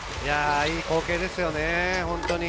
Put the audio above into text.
いい光景ですよね。